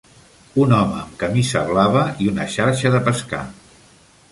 Un home amb camisa blava i una xarxa de pescar.